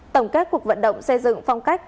tổng kết cuộc vận động xây dựng phong cách